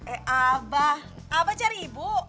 eh apa apa cari ibu